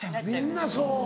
みんなそう。